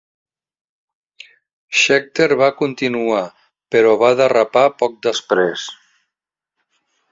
Scheckter va continuar, però va derrapar poc després.